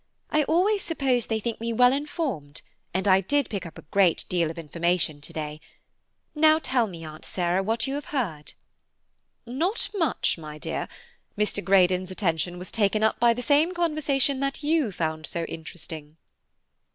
I always suppose they think me well informed and I did pick up a great deal of information to day. Now, tell me, Aunt Sarah, what you have heard." "Not much, my dear; Mr. Greydon's attention was taken up by the same conversation that you found so interesting."